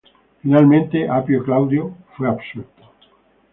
Finalmente Apio Claudio fue absuelto.